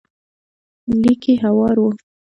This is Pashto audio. ليکي هوار و.